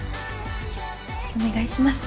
お願いします。